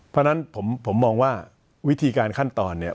เพราะฉะนั้นผมมองว่าวิธีการขั้นตอนเนี่ย